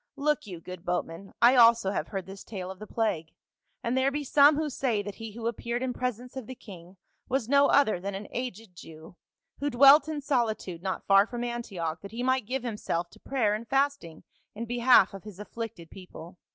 Look you, good boatman, I also have heard this tale of the plague, and there be some who say, that he who ap peared in presence of the king was no other than an aged Jew, who dwelt in solitude not far from Antioch that he might give himself to prayer and fasting in behalf of his afflicted people.